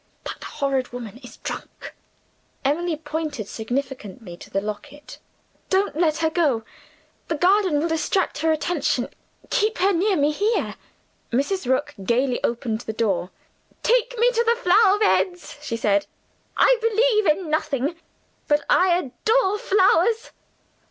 That horrid woman is drunk." Emily pointed significantly to the locket. "Don't let her go. The garden will distract her attention: keep her near me here." Mrs. Rook gayly opened the door. "Take me to the flower beds," she said. "I believe in nothing but I adore flowers."